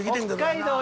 北海道